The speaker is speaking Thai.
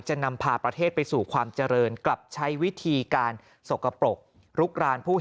จะนำพาประเทศไปสู่ความเจริญกลับใช้วิธีการสกปรกลุกรานผู้